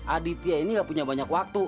aditya ini gak punya banyak waktu